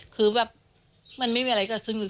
คือแบบมันไม่มีอะไรกับคุณคุณ